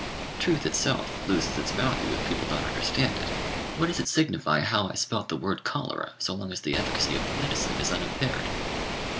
Truth itself loses its value if people don't understand it. What does it signify how I spelt the word cholera, so long as the efficacy of the medicine is unimpaired?"